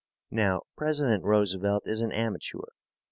Now, President Roosevelt is an amateur.